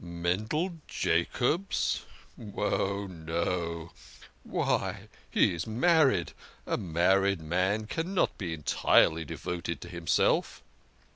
" Mendel Jacobs oh, no ! Why, he's married ! A mar ried man cannot be entirely devoted to himself."